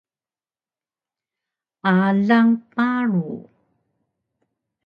Alang paru